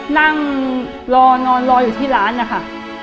นั่งรอนอนรออยู่ที่ร้านนะคะ